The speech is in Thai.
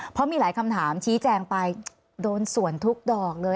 เพราะมีหลายคำถามชี้แจงไปโดนส่วนทุกดอกเลย